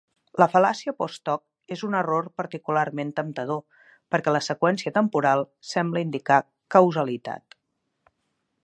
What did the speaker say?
La fal·làcia "post hoc" és un error particularment temptador, perquè la seqüència temporal sembla indicar causalitat.